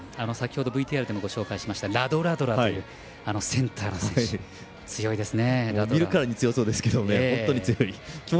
先ほどＶＴＲでもご紹介しましたラドラドラというセンターの選手、強いですね。